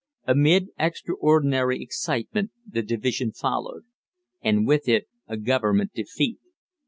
Amid extraordinary excitement the division followed and with it a Government defeat.